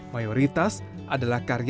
mayoritas adalah karir